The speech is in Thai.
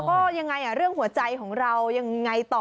โสดจริงแล้วก็เรื่องหัวใจของเรายังไงต่อ